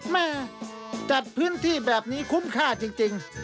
แม่จัดพื้นที่แบบนี้คุ้มค่าจริง